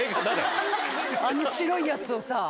あの白いやつをさ。